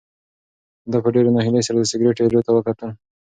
ده په ډېرې ناهیلۍ سره د سګرټ ایرو ته وکتل.